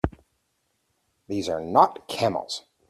These are not camels!